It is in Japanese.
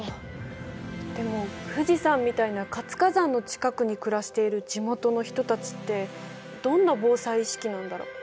でも富士山みたいな活火山の近くに暮らしている地元の人たちってどんな防災意識なんだろ？